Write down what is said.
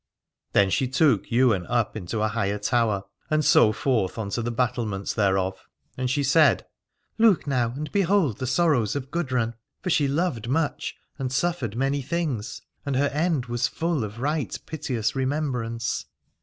Then she took Ywain up into a high tower, and so forth upon the battlements thereof, and she said : Look now and behold the sorrows of Gudrun, for she loved much and 272 Alad ore suffered many things, and her end was full of right piteous remembrance.